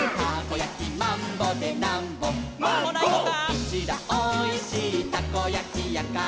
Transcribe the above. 「うちらおいしいたこやきやから」